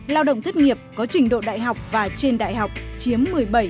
lao động thất nghiệp có trình độ đại học và trên đại học chiếm một mươi bảy